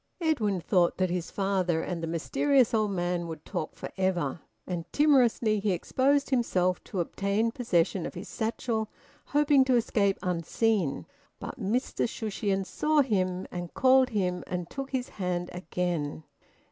Edwin thought that his father and the mysterious old man would talk for ever, and timorously he exposed himself to obtain possession of his satchel, hoping to escape unseen. But Mr Shushions saw him, and called him, and took his hand again.